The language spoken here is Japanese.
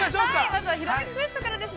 ◆まずは「ひらめきクエスト」からです。